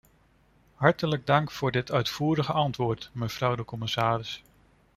Hartelijk dank voor dit uitvoerige antwoord, mevrouw de commissaris.